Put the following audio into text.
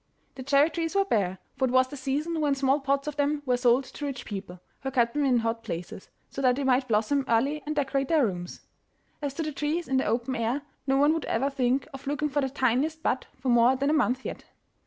The cherry trees were bare, for it was the season when small pots of them were sold to rich people, who kept them in hot places, so that they might blossom early and decorate their rooms. As to the trees in the open air, no one would ever think of looking for the tiniest bud for more than a month yet.